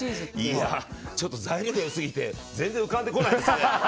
ちょっと材料が良すぎて全然浮かんでこないですね。